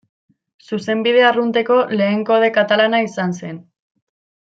Zuzenbide arrunteko lehen kode katalana izan zen.